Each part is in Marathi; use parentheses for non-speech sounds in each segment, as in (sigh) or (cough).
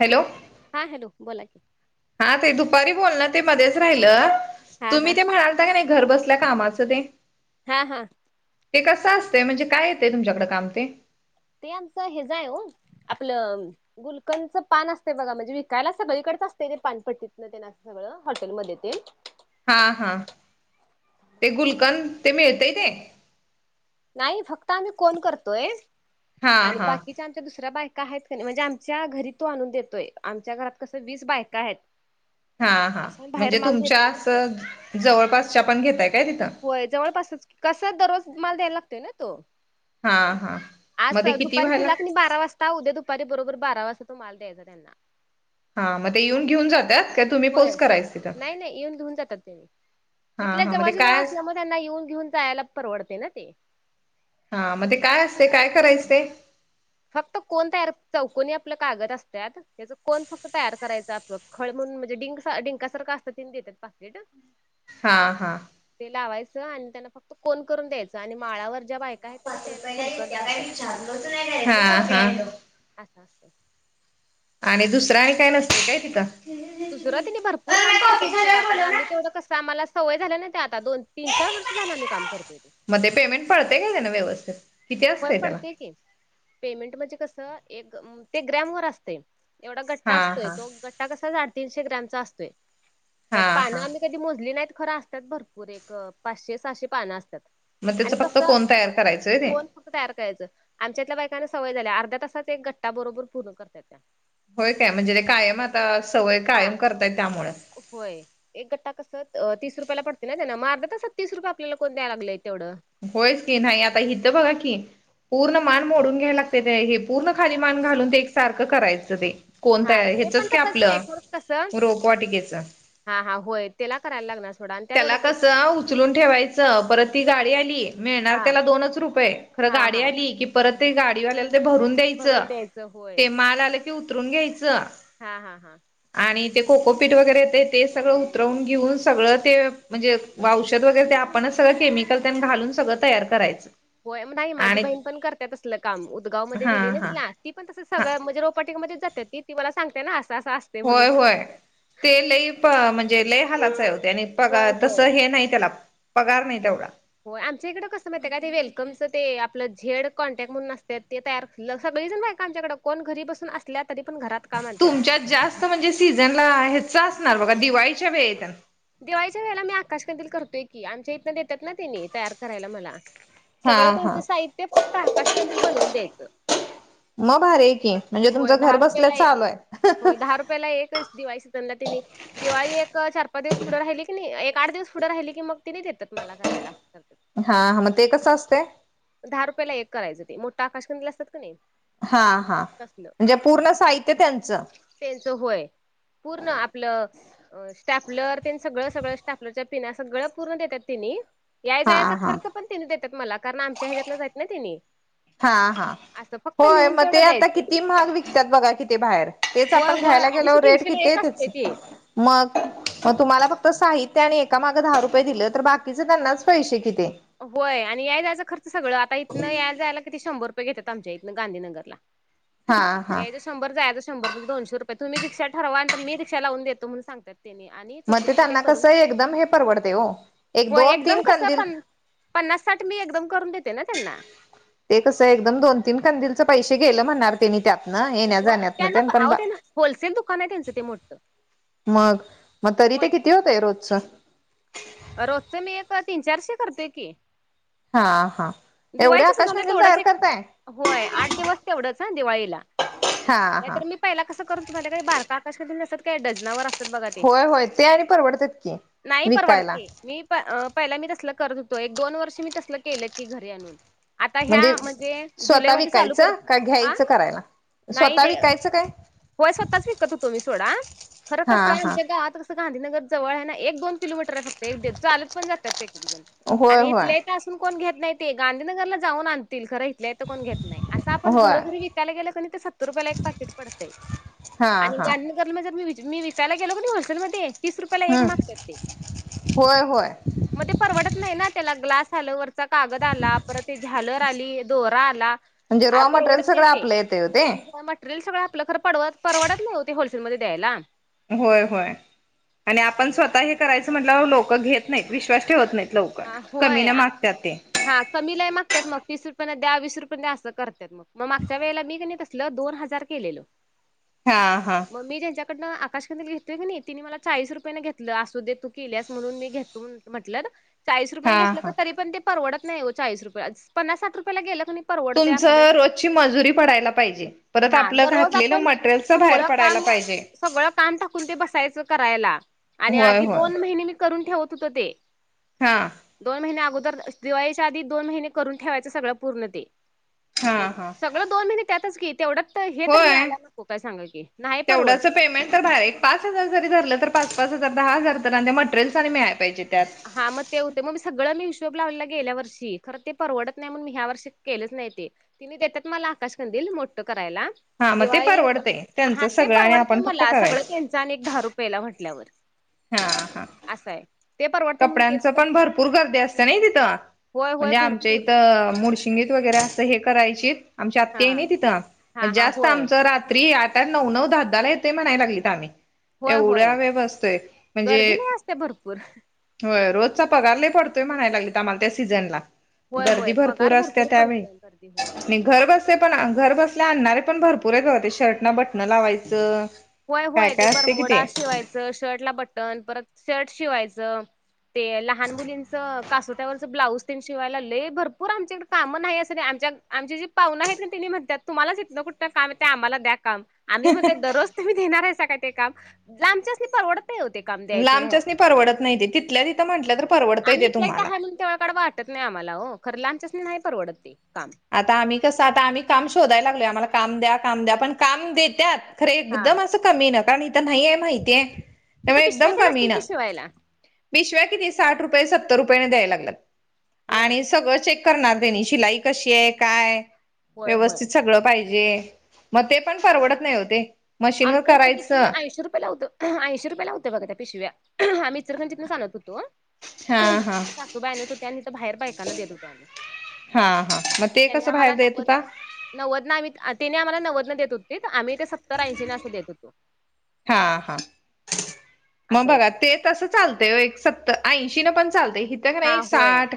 हॅलो,, हां, हॅलो,, बोला की. हा ताई,, दुपारी बोलनं ते मध्येच राहिल,, हा हा तुम्ही ते म्हणालऽ काय नाही, घर बसल्या कामाचं तेऽ हा, हा, ते कसं असतय? म्हणजे का येतय तुमच्याकडं काम ते? ते आमचं हेज (unintelligible) आहे हो. आपलं गुलकंदच पान असतय बघा,, म्हणजे विकायला सगळीकडेच असतय ते,, पानपट्टीतन तेऽ सगळं,, हॉटेलमध्ये तेनऽ हा, हा, ते गुलकंद,, ते मिळतय तेऽ नाही, फक्त आम्ही कोण करतोय,, हा आणि हा बाकीऽ आमच्या दुसऱ्या बायका आहेत का नाही,, म्हणजे आमच्या घरी तो आणून देतोय,, आमच्या घरात कसं वीस बायका हायतऽ हा, हा, म्हणजे तुमच्या देतोय ना अस,, तो जवळपासच्या पण घेताय काय तिथं? होय जवळपासच कसा दररोज माल द्यायला लागतोय ना तो हा हा आस मग ते किती दुपारी व्हायला दिला क नाही बारा वाज ता उद्या दुपारी बरोबर बारा वाजता तो माल द्यायचा त्यांना हा मग ते येऊन अस- घेऊन जात काय तुम्ही होय पोच करायच तिथं नाही नाही येऊन घेऊन जातात ते हा इथल्याच हा मग ते जवळच्या जवळ काय असल्यामूळ त्यांना येऊन घेऊन जायाला परवडते ना ते हा,, म ते काय असतय? काय करायचं ते? फक्त कोन तयार, चौकनी आपलं कागद असत्यात. त्याच कोन फक्त तयार करायचं, आपलं खळ, म्हणून म्हणजे डिं, डिंकासारखं असतं त्यानी देतात पाकीटऽ हा, हा, ते लावायचं आणि त्यांना फक्त कोन करून द्यायचं,, आणि माळावर ज्या बायका आहेत त्या गुलकंद भरत्यात. हा, हा, असं असतेऽ आणि दुसरं आणि काय नसत काय तिथं. दुसरं तिने भरपूर काम करतात सोडा,, करा आम्ही तेवढं कसं आम्हालाऽ सवय झाल्या ना ते आता,, दोन तीन, चार वर्ष झालं आम्ही काम करतोय,, तेऽ म ते पेमेंट पडतेय का त्यानं व्यवस्थित? किती होय असतंय त्याला? पडते की,, पेमेंट म्हणजे कसं,, एक ते ग्रॅम वर असतय. एवढा गट्टा हा असतोय,, हा तो गट्टा कसा साडेतीनशे ग्रॅमचा असतोय. त्यात हा हा पानं आम्ही कधी मोजली नाहीत,, खरं असतात भरपूर, एक पाचशे सहाशे पानं असत्यात. मग त्याचं फक्त कोण तयार करायचंय ते फक्त तयार करायचं आमच्यातल्या बायकांना सवय झाल्या अर्ध्या तासात एक घट्टा बरोबर पूर्ण करतात त्या होय त्या म्हणजे ते कायम आता सवय हा. कायम करताय त्यामुळे होय एक गट्टा कस तीस रुपयाला पडते ना त्याना मा अर्ध्या तासात तीस रुपये आपल्याला कोण द्याय लागलंय तेवढं होयच की नाही आता हिथं बघा की पूर्ण मान मोडून घ्यायला लागतंय ते हे पूर्ण खाली मान घालून ते एकसारखं करायचं ते हा कोणतं ते पण ह्याचच की तसंच नाही आपलं खरं कसं रोपवाटिकेच हा हा होय त्याला करायला लागणार सोडा आणि त्यात एवढं त्याला पैसे लागतात. कसं उचलून ठेवायचं परत ती गाडी आली मिळणार हा त्याला दोनच रुपये खरं हा गाडी हा. आली की परत ते गाडीवाल्याला ते भरून द्यायचं भरून होय. ते माल आलं की उतरून घ्यायचं हा हा हा आणि ते कोकोपीट वगैरे येतंय ते सगळं उतरवून घेऊन सगळं ते म्हणजे औषध वगैरे ते आपणच सगळं केमिकल तेन घालून सगळं तयार करायचं होय मग नाही माझी आणि बहीण पण करत्या तसलं काम उदगाव मध्ये हा दिलय नाई हा तिला ती प तसं हा सगळ म्हणजे रोपवाटिका मध्ये जाते ती मला सांगते ना असं असं अस होय होय ते लई म्हणजे लय हालाचं हाय ओ ते आणि होय पगार तस होय. हे नाही त्याला पगार नाही तेवढा हो आमच्या इकडं कसं माहित आहे काय ते वेलकमच ते आपलं झेड कॉन्टॅक्ट म्हणून असत्यात ते तयार सगळीजण बायका आमच्याकडं कोण घरी बसून असल्या तरी पण घरात काम आणत्यात. तुमच्यात जास्त म्हणजे सीझनला ह्याच असणार बघा दिवाळीच्या वेळेत दिवाळीच्या वेळेला मी आकाशकंदील करतोय की आमच्या इथंनं देतात ना त्यांनी तयार करायला मला हा सगळं हा तुमचं साहित्य फक्त आकाशकंदील बनवून द्यायचं मग भारी आहे की म्हणजे होय तुमचं घर दहा बसल्या रुपयाला चालू आहे होय दहा रुपयाला एकच दिवाळी सिझनला तेनी दिवाळी एक चार दिवस पुढे राहिली की नाही एक आठ दिवस पुढं राहिली की म तेनी देतात मला कराय असत हा मग ते कसं असतय? दहा रुपयाला एक करायचं ते मोठा आकाश कंदिल असतात का नाही हा हा म्हणजे पूर्ण साहित्य त्यांचं त्यांच होय पूर्ण आपलं स्टेप लर सगळं सगळं स्टॅपलरच्या पिना सगळं पूर्ण देतात तिनी याय हा जायचा हा खर्च पण तेनी देतात मला कारण आमच्या ह्याच्यातल्याच आहेत ना त्यांनी हा हा असं फक्त होय नेऊन म ते तेवढं आता द्यायचं किती महाग विकत्यात बघा कि ते बाहेर तेचं होय आपण होय घ्यायला अडीचशे गेलो रेट तीनशेला किती येतं असतील? (inaudible) मग मग तुम्हाला फक्त साहित्य आणि एका मागं दहा रुपये दिलं तर बाकीचे त्यांनाच पैसे कि ते होय आणि याय जायचं खर्च सगळं आता इथनं याय जायला तरी शंभर रुपये घेतात आमच्या इथनं गांधीनगरला हा हा यायचं शंभर जायचं शंभर म्हणजे दोनशे रुपये तुम्ही रिक्षा ठरवाल तर मी रिक्षा लाऊन देतो म्हणून सांगते आणि मग तुमचं त ते त्यांना करून कसं एकदम हे परवडते हो एक हो दोन एकदम तीन कसं कंदील पन पन्नास साठ मी एकदम करून देते ना त्यांना ते कसं एकदम दोन तीन कंदीलच पैशे गेलं म्हणणार त्यांनी त्यात हो त्यांना अहो त्यांना होलसेल दुकान आहे त्यांचं ते मोठं मग मग तरी ते होय किती होतय रोजचं? रोजच मी एक तीन चारशे करतोय की हा हा एवढे दिवाळीचे शिजन आकाशकंदील तेवढंच तयार एक करताय होय आठ दिवस तेवढंच हं दिवाळीला हा हा नाहीतर मी पहिला कसं करतं हुतो माहितेय काय बारकं आकाश कंदील नसत्यात काय डझनावर अस होय होय ते आणि परवडत्यात कि नाही परवडत विकायला. ते मी पहिला मी तसलं करत होतो एक दोन वर्ष मी तसलं केलेत की घरी आणून. आता ह्या म्हणजे स्वतः जुलैमध्ये चालू कर विकायचं काय आ घ्यायचं करायला? स्वतः विकायच काय? व्हय स्वतःच विकत होतो मी सोडा खरं हा कसय हा आमच्या गावात कसं गांधीनगर जवळ ये ना एक दोन किलोमीटर हाय फक्त चालत पण जात्यात एक एक जण होय आणि होय इथल्या इथं असं इथून कोण घेत नाय ते गांधीनगरला जाऊन आणतील खरंय इथल्या इथं कोण घेत नाय असं आपण होय घरोघरी विकायला गेल क नाय त सत्तर रुपयाला एक पाकिट पडतंय. हा, हा (unintelligible) म्हणजे मी विकायला गेलो कि होलसेल मध्ये तीस रुपयाला एक हम्म मागत्यात ते होय, होय. मग ते परवडत नाय ना त्याला ग्लास आलं वरचा कागद आला. परत ते झालर आली. दोरा म्हणजे आलाआ रॉ मटेरियल परवडतं नाही सगळं ते आपलं येतय ओ ते. (unintelligible) टेरियल सगळं आपलं खरं पडवत परवडत नाय हो ते होलसेलमध्ये दयायला. होय, होय, आणि आपण स्वतः हे करायचं म्हटल्यावर लोक घेत नाहीत विश्वास ठेवत नाहीत. लव आ होय आ हा कमी लय मागत्यात म तीस रुपये ला वीस रुपये दया असं करत्यात म म मागच्या वेळेला मी कणय तसलं दोन हजार केलेल. हा हा मी जच्याकडन आकाश कंदिल घेतोय किनाई तिने मला चाळीस रुपयांन घेतलं असू देेत तू केल्यास म्हणून मी घेत तुम्ही म्हंटल्या ना. चाळीस रुपयान हा घेतलं का हा तरी पण ते परडतं नाही ओ चाळीस रुपया आज पन्नास साठ रुपयाला गेलं का नाय तुमचं रोजची मजुरी पडायला पाहिजे. परत हा आपलं दररोज घातलेलं आपण मटेरियलचं बाहेर सगळं पडायला काम पाहिजे. सगळं काम टाकून ते बसायचं करायला आणि होय आधी होय. दोन महिने मी करून ठेवतं होतो ते हा दोन महिने अगोदर दिवाळीच्या आधी दोन महिने करून ठेवायचं सगळं पूर्ण ते हा मग हा ते सग म दोन महिने त्यातचं की तेवड्यात हे तर होय. मिळालं नको काय सांगा की नाही परवडतं तेवढ्याचं की पेमेंट तर भाड एक पाच हजार जरी धरलं तर पाच पाच हजार दहा हजार आणि त्या मटेरियल्स आणि मिळायं पाहिजे त्यात हा ते होते मग मी सगळं मी हिशोब लावला. गेल्या वर्षी खरं ते परवडतं नाही म्हणून मी ह्या वर्षी केलेचं नाय ते. तिनी देतात मला आकाश कंदील मोठं करायला. हा मग ते दिवाळी एक परवडतय हा त्यांचं ते सगळं आणि आपण परवडतं फक्त मला सगळं करायचं. त्यांचं चा आणि एक दहा रुपयेला म्हटल्यावर हा हा असं हाय कपड्यांचं पण भरपूर गर्दी असते नाय तिथं होय होय म्हणजे आमच्या भरपूर इथं मुळशी निट वगरे अस हे कराचीत आमची हा आत्त्या आहे न तिथ हा हा जास्त होय आमच रात्री त्या नऊ नऊ धा धा ला येतय म्हणायला लागलीत आम्ही होय एवढ्या वेळ बसतोय म्हणजे ते भरपूर होय रोजचा पगार लय पडतोय म्हनाय लागलीत आम्हाला त्या सिझन ला होय गर्दी होय भरपूर पगार असते त्यावेळी पडते गर्दी होय आणि घरी बसते आपलं पण घरी बस आणणारे पण भरपूर आहे बघा ते शर्ट ना बटनं लावायचं. होय, काय होय, काय ते असते कि ते बरमुडा शिवायचं शर्टला बटन परत शर्ट शिवायचं. ते लहान मुलींचं कासोट्यावरचं ब्लॉउज तेन शिवायला लय भरपूर आमच्याकड काम नाही अस आमच्या आमची जी पाहुनं आहेत ना तिनी म्हणत्यात तुम्हालाचं इथन कुठंनं काम येतय आम्हाला दया काम. आम्ही म्हणते दररोज तुम्ही देणार आहेसा का ते काम लांबच्यासनी परवडत नाय ओ ते काम दयायचं नाय होत लांबच्यासनी परवडत नाही ते तिथल्या तिथं म्हटलं तर परवडतय आम्ही ते इथल्या इथं तुम्हाला. हाय म्हणून तेवढं कड वाट तट नाय आम्हाला हो खरं लांबच्यासनी नाय परवडत ते काम. आता आम्ही कसं आता आम्ही काम शोधायला लागलोय आम्हाला काम द्या काम द्या पण काम देत्यात खरं हा एकदम असं कमी न कारण इथं नाहीये माहितीये त्यामुळ तिथं पिशव्या एकदम तेन कमी असतील न की शिवायला. पिशव्या किती साठ रुपये सतर रुपये न द्याय लागल्यात होय आणि सगंळ चेक करणार तेनी शिलाई कशी ये काय होय होय. व्यवस्थित सगळं पाहिजे. म ते पण परवडत नाही ओ ते आमच्या इथं कीती ऐंशीे रुपयला होत. ऐंशी रुपयाला होते बघा त्या पिशव्या आम्ही इचलकरंजीतंनंच आणत होतो. हा हा आमच्या सासू बाय आणत होत्या आणि बाहेर बायकांना देत होतो आम्ही हा हा म ते कसं बाहेर देत होता. नव्वदन आम्ही अह त्यांनी आम्हाला नव्वदन देत होती आम्ही ते स हा हा मग असं होत. बघा तेच तसं चालतय व्हय एक सत्तर ऐंशी न पण चालतय इथं का हा नाही होय साठ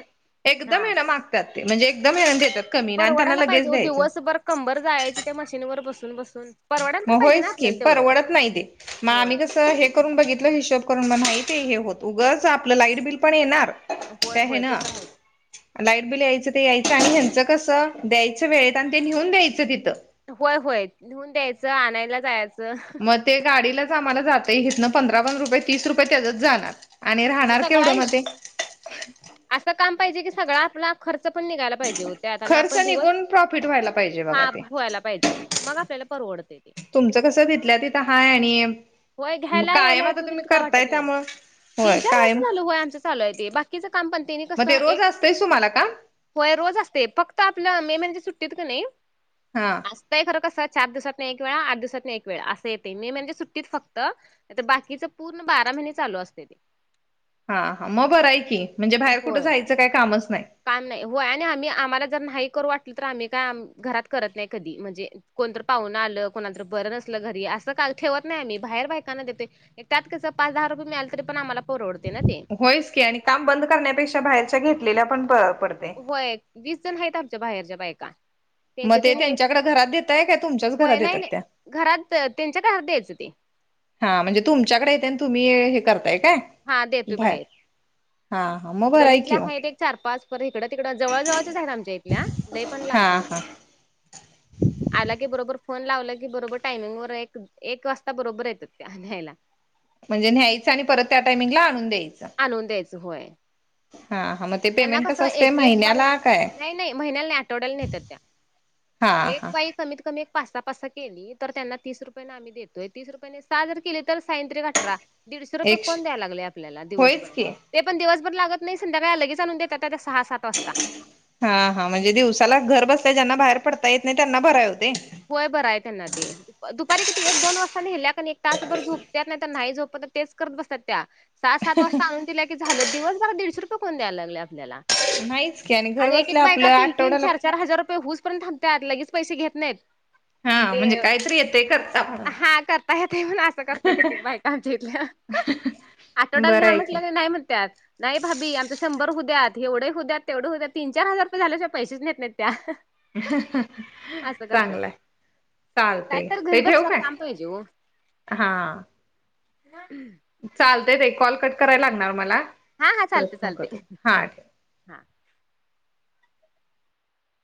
एकदम हा. आहे ना माग जाते म्हणजे एकदम येन घेतात कमी आणि त्यांना परवडायला पाहिजे लगेच ओ द्यायचं दिवसभर कंबर जायची त्या मशीनवर बसून बसून परवडायला तर मग पाहिजे ना होयच की आपल्याला तेवढं. परवडत नाही ते मग होय. आम्ही कस हे करून बघितल हिशोब करून म माहीती हे होत उगंच आपलं लाईट बिल पण येणार होय त्या होय ते ह्यानं तर आहेच. लाईट बिल यायचं ते यायचं आणि ह्यांचं कसं द्यायचं वेळेत आणि ते नेऊन द्यायचं तिथं होय होय नेऊन द्यायचं आणायला जायचं मग ते गाडीलाच आम्हाला जात इथनं पंधरा पंधरा रुपये तीस रुपये त्याचच जाणार आणि होय राहणार सगळा केवढं म ते असं काम पाहिजे कि सगळ आपलं खर्च पण निघायला पाहिजे ओ त्यात आणि खर्च आपण दिवस निघून प्रॉफिट व्हायला पाहिजे बघा हा ते. व्हायला पाहिजे मग आपल्याला परवडते ते तुमचं कसं तिथलं तिथं हाय आणि होय घ्यायला यायलाय कायम येत आता होत तुम्ही तर काय करताय वाटत नाही त्यामुळं तीन होय चार वर्ष कायम झाल व्हय आमचं चालू आहे ते बाकीचं काम पण त्यांनी मग कसं ते रोज एक असतंयच तुम्हाला काम होय रोज असते फक्त आपल्या मे महिन्याच्या सुट्टीत का नाही हा. खरं कसं चार दिवसात नाही एक वेळा आठ दिवसात एक वेळा अस येतंय मेन म्हणजे सूट ट्टीत फक्त नाहीतर बाकीच पूर्ण बारा महिने चालू असते हा हा मग बरं आहे की म्हणजे बाहेर कुठं होय जायचं काही कामच नाही काम नाही होय आणि आम्ही आम्हाला जर नाही करू वाटलं तर आम्ही काय घरात करत नाही कधी म्हणजे कोणतरी पाहुन आलं, कोणाला तर बरं नसलं घरी असं काल ठेवत नाही अनी बाहेर बायकांना देतो त्यात कसं पाच दहा रुपये मिळाल तरी पण आम्हाला परवडतय ना ते होयच की आणि काम बंद करण्यापेक्षा बाहेरच्या घेतलेल्या पण पडते व्हय वीस जण आहेत आमच्या बाहेरच्या बायका त्यांच मग ते त्यांनी एक त्यांच्याकडे घरात देताय काय तुमच्याच होय घरात नाही येतात नाही त्या घरात त्यांच्या घरात द्यायचं ते. हा म्हणजे तुमच्याकडे येते आणि तुम्ही हे करताय काय? हा देतोय बाहेर हा हा म गल्लीतल्या आहेत एक चार पाच पर इकडं तिकडं जवळ जवळच्याच आहेत आमच्या इथल्या लय पण हा लांबच्या नाही हा आला की बरोबर फोन लावला की बरोबर टायमिंग वर एक एक वाजता बरोबर येत्यात त्या न्यायला म्हणजे न्यायचं आणि परत त्या टायमिंगला आणून द्यायचं. आणून द्यायचं होय. हा हा मग ते त्यांना पेमेंट कस कसं असते एक एक बाई महिन्याला काय? नाही नाही महिन्याला नाही आठवड्याला नेतात त्या. हा. एक हा बाई कमीत कमी एक पाच सहा पाच सहा केली तर त्यांना तीस रुपये न देतोय तीस रुपयाने सहा जर केले तर साही त्रिक अठरा दीडशे रुपये एकश कोण द्यायला लागले आपल्याला होयच दिवसभर की ते पण दिवसभर लागत नाही संध्याकाळ लगेच आणून देतात त्या सहा सात वाजता. हा हा म्हणजे दिवसाला घर बसल्या ज्यांना बाहेर पडता येत नाही त्यांना बरय हो ते होय बरं आहे त्यांना ते दुपारी किती एक दोन वाजता नेल्या एक तासभर झोप त्यात नाही तर नाही झोपत तर तेच करत बसतात त्या सहा सात वाजता आणून दिल्या की की झालं दिवस भरात दीडशे रुपये कोण द्यायला लागलय आपल्याला नाहीच की घर आणि एक एक बसल्या आपलं बायका तीन तीन आठवड्याला चार चार हजार रुपये होऊच पर्यंत थांबत लगेच पैसे घेत नाहीत. हा म्हणजे ते काहीतरी येतेय. हा करता येत म्हण असं करता येत क बाईका आमच्या इथल्या आठवड्याला बरं न्हया आहे म्हंटल की तर नाही म्हणत्यात. नाही भाभी आमच शंभर होद्यात एवढे होद्यात तेवढे होद्यात तीन चार हजार रुपये झाल्या पैसेच येत नाहीत त्या असं करतात चांगलंय. काय चालतय तर ते घरी ठेवू बसला काय? काम पाहिजे हो चालत ताई कॉल कट करायला लागणार मला हा हा चालते परत फोन चालते करतो ठेव. हा